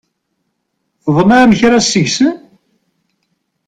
Tḍemɛem kra seg-sen?